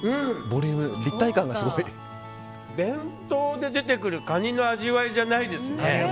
ボリュームがあって立体感がすごい！弁当で出てくるカニの味わいじゃないですね。